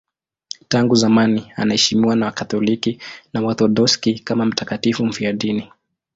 Tangu zamani anaheshimiwa na Wakatoliki na Waorthodoksi kama mtakatifu mfiadini.